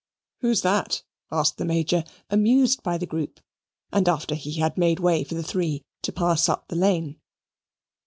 "Who's that?" asked the Major, amused by the group, and after he had made way for the three to pass up the lane.